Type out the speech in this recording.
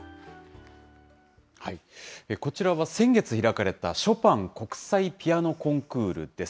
こちらは、先月開かれた、ショパン国際ピアノコンクールです。